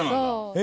え！